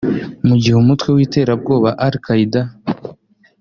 mu gihe umutwe w’iterabwoba al Qaeda